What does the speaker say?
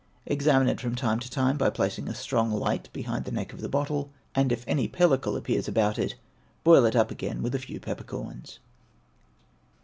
Examine it from time to time, by placing a strong light behind the neck of the bottle, and if any pellicle appears about it, boil it up again with a few peppercorns.